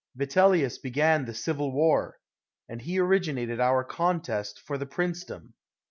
Vitellius began the Civil War; and he origi nated our contest for the princedom.